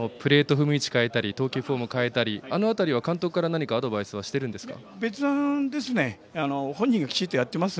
プレーと踏む位置変えたり投球フォーム変えたりあの辺りは監督からアドバイスはしているんですか。